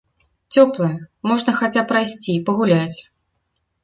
Цёплая, можна хаця прайсці, пагуляць.